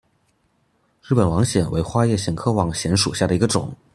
日本网藓为花叶藓科网藓属下的一个种。